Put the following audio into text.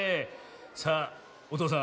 さあおとうさん